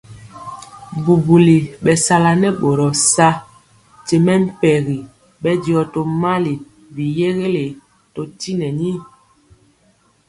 Bubuli bɛsala nɛ boro sa tyɛɔ mɛmpegi bɛndiɔ tomali biyeguelé dotytɛni.